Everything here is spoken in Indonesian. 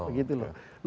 nah ini yang